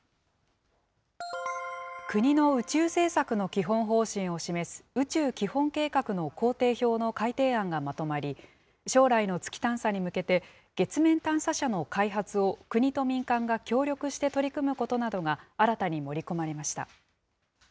国の宇宙政策の基本方針を示す宇宙基本計画の工程表の改定案がまとまり、将来の月探査に向けて、月面探査車の開発を国と民間が協力して取り組むことなどが、新たに盛り込まれました。